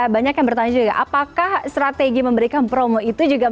banyak yang bertanya juga apakah strategi memberikan promo itu juga